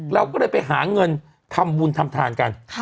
เราก็เลยไปหาเงินทำบุญทำทานกัน